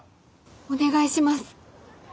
お願いします。